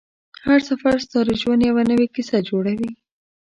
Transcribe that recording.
هر سفر ستا د ژوند یوه نوې کیسه جوړوي